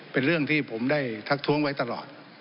เป็นเรื่องที่ผมได้ทักท้วงไว้ตลอด